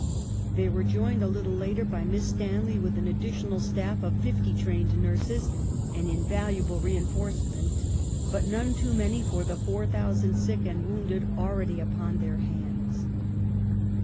They were joined a little later by Miss Stanley with an additional staff of fifty trained nui*ses, — an invaluable reinforcement, but none too many for the 4,000 sick and wounded already upon their hands.